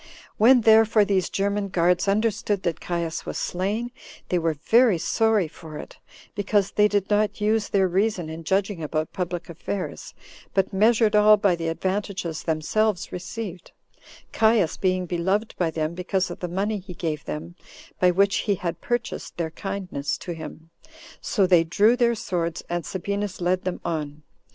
When, therefore, these German guards understood that Caius was slain, they were very sorry for it, because they did not use their reason in judging about public affairs, but measured all by the advantages themselves received, Caius being beloved by them because of the money he gave them, by which he had purchased their kindness to him; so they drew their swords, and Sabinus led them on.